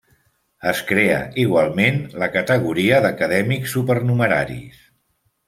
Es crea, igualment, la categoria d'Acadèmics Supernumeraris.